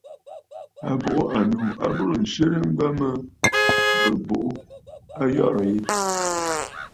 À bùʼû ànnnù a burə nswerə mbə mə bɨ̀ buʼu ayɔ̀rə̂ yi.